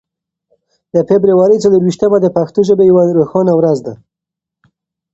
د فبرورۍ څلور ویشتمه د پښتو ژبې یوه روښانه ورځ ده.